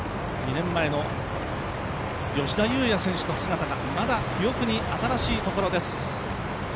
２年前の吉田祐也選手の姿がまだ記憶に新しいところです。